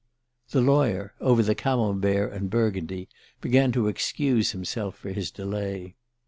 The lawyer, over the Camembert and Burgundy, began to excuse himself for his delay.